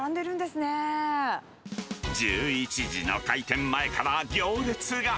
１１時の開店前から行列が。